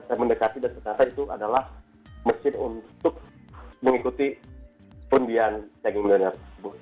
saya mendekati dan ternyata itu adalah mesin untuk mengikuti pundian yang indian